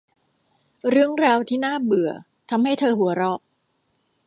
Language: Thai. เรื่องราวที่น่าเบื่อทำให้เธอหัวเราะ